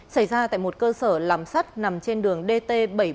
xảy ra tại một cơ sở làm sắt nằm trên đường dt bảy trăm bốn mươi